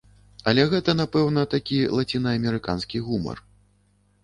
Але гэта, напэўна, такі лацінаамерыканскі гумар.